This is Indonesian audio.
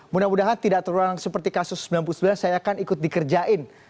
mudah mudahan tidak terulang seperti kasus sembilan puluh sembilan saya akan ikut dikerjain